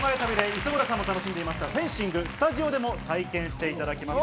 磯村さんも楽しんでいたフェンシング、スタジオでも体験していただきます。